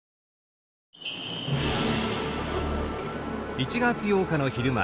１月８日の昼前